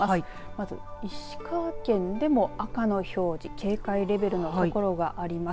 まず石川県でも赤の表示警戒レベルの所があります。